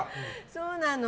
そうなの。